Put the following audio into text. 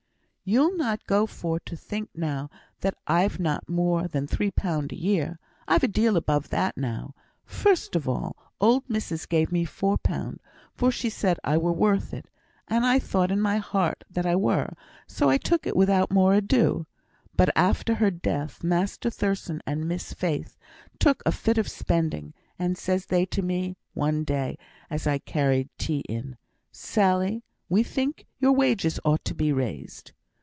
"You'll not go for to think now that I've not more than three pound a year. I've a deal above that now. First of all, old missus gave me four pound, for she said I were worth it, and I thought in my heart that I were; so I took it without more ado; but after her death, Master Thurstan and Miss Faith took a fit of spending, and says they to me, one day as I carried tea in, 'Sally, we think your wages ought to be raised.'